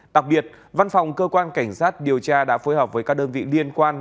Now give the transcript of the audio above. đặc biệt văn phòng cơ quan cảnh sát điều tra đã phối hợp với các đơn vị liên quan